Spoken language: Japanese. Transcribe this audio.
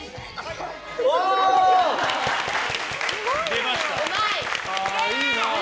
出ましたね。